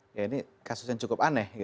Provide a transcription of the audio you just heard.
ya ini kasus yang cukup aneh